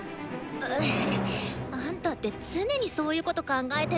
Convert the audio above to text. えあんたって常にそういうこと考えてるの？